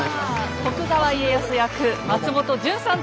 徳川家康役松本潤さんです。